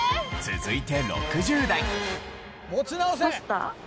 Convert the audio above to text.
続いて６０代。